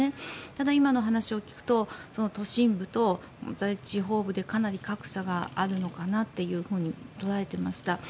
ただ今の話を聞くと都心部と地方部でかなり格差があるのかなというふうに捉えていました。